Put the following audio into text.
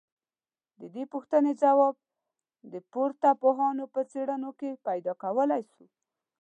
ددې پوښتني ځواب د پورته پوهانو په څېړنو کي پيدا کولای سو